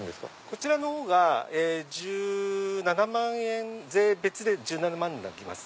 こちらのほうが１７万円税別で１７万になりますね。